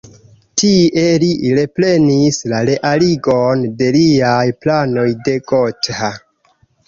Tie li reprenis la realigon de liaj planoj de Gotha.